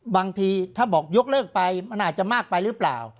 บางทีถ้าบอกยกเลิกไปมันอาจจะมากไปหรือเปล่า